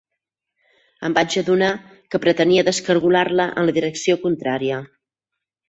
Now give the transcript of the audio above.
Em vaig adonar que pretenia descargolar-la en la direcció contrària